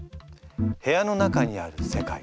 部屋の中にある世界。